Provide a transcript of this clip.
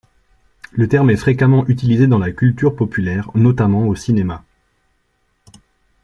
Le terme est fréquemment utilisé dans la culture populaire, notamment au cinéma.